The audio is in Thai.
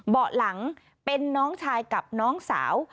เบาะหลังเป็นน้องชายกับน้องสาว